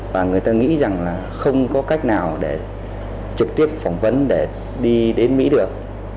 và người ta nghĩ rằng là không có cách nào để trực tiếp phỏng vấn để đi đến mỹ được